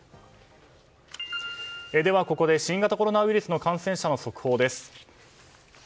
ここで新型コロナウイルスの感染者の速報です。